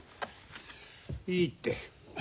いいって。